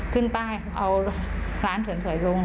ขึ้นไปเอาร้านเฉิมสวยลง